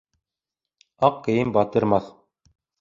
Аҡ кейем батырмаҫ.